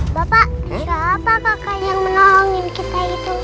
bapak kakak yang menolongin kita itu